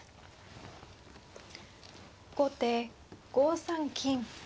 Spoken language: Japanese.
後手５三金。